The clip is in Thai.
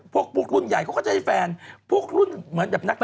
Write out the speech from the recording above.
พวกรุ่นใหญ่เขาก็จะให้แฟนพวกรุ่นเหมือนแบบนัก